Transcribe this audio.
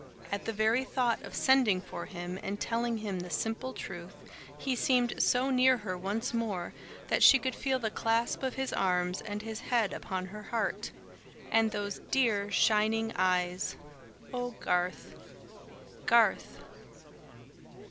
At the very thought of sending for him and telling him the simple truth, he seemed so near her once more, that she could feel the clasp of his arms, and his head upon her heart. And those dear shining eyes! Oh, Garth, Garth!